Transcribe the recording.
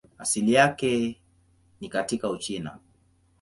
Asili yake ni katika Uchina.